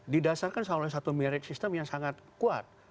didasarkan salah satu merit system yang sangat kuat